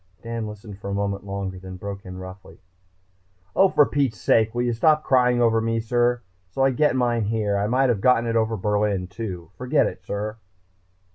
Dan listened a moment longer then broke in roughly. "Oh, for Pete's sake, will you stop crying over me, sir? So I get mine here. I might have gotten it over Berlin, too. Forget it sir."